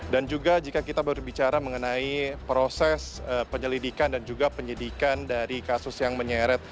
dan juga jika kita berbicara mengenai proses penyelidikan dan juga penyelidikan dari kasus yang menyeret